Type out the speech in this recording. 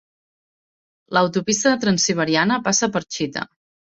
L'autopista Transsiberiana passa per Chita.